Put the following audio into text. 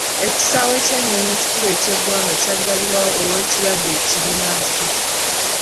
Ekisaawe ky'ennyonnyi ekikulu eky'eggwanga kyaggalwa olw'ekirwadde bbunansi.